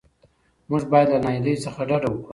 موږ باید له ناهیلۍ څخه ډډه وکړو.